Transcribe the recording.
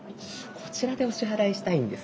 こちらでお支払いしたいんですが。